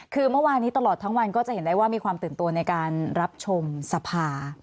คือเมื่อวานนี้ตลอดทั้งวันก็จะเห็นได้ว่ามีความตื่นตัวในการรับชมสภา